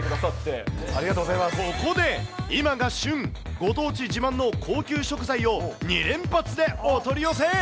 ここで、今が旬、ご当地自慢の高級食材を２連発でお取り寄せ。